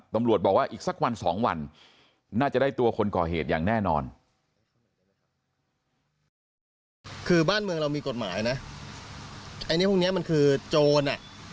ตำรวจบอกว่าอีกสักวันสองวันน่าจะได้ตัวคนก่อเหตุอย่างแน่นอน